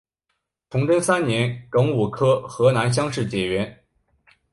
崇祯三年庚午科河南乡试解元。